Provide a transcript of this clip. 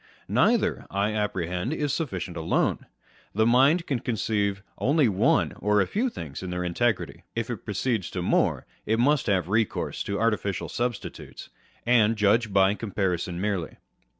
Neither, I apprehend, is sufficient alone. The mind can conceive only one or a few things in their integrity : if it proceeds to more, it must have recourse to artificial substitutes, and judge by comparison merely.